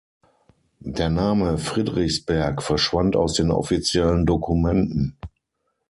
Der Name Friedrichsberg verschwand aus den offiziellen Dokumenten.